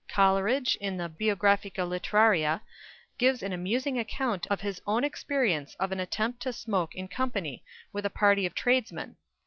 Coleridge, in the "Biographia Literaria," gives an amusing account of his own experience of an attempt to smoke in company with a party of tradesmen.